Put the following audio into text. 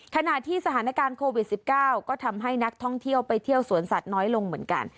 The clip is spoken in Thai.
ขณะที่สถานการณ์โควิด๑๙ก็ทำให้นักท่องเที่ยวไปเที่ยวสวนสัตว์น้อยลงเหมือนกัน